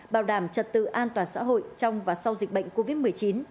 bảo đảm trật tự an toàn xã hội trong và sau dịch bệnh covid một mươi chín